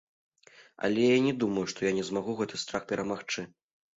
Але я не думаю, што я не змагу гэты страх перамагчы.